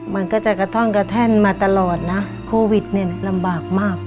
มันก็จะกระท่อนกระแท่นมาตลอดนะโควิดเนี่ยลำบากมาก